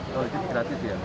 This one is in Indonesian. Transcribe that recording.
kalau di rumah sakit gratis ya